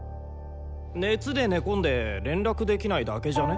熱で寝込んで連絡できないだけじゃね？